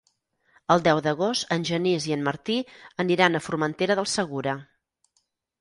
El deu d'agost en Genís i en Martí aniran a Formentera del Segura.